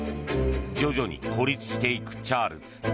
徐々に孤立していくチャールズ。